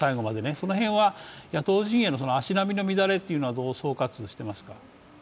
その辺は野党陣営の足並みの乱れはどう総括してますか？